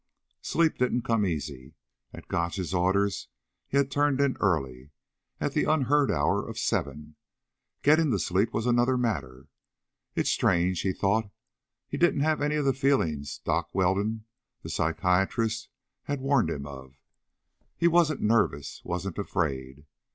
Sleep didn't come easy. At Gotch's orders he had turned in early, at the unheard hour of seven. Getting to sleep was another matter. It's strange, he thought, he didn't have any of the feelings Doc Weldon, the psychiatrist, had warned him of. He wasn't nervous, wasn't afraid.